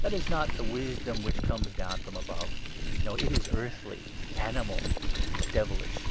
That is not the wisdom which comes from above ; 15 no, it is earthly, animal, devilish.